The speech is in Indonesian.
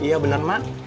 iya bener mak